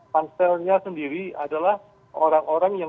panselnya sendiri adalah orang orang yang